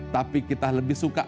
tapi kita lebih suka